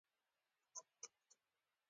دا سیمې زموږ له کور څخه لس میله لرې وې